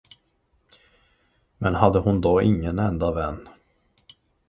Men hade hon då ingen enda vän.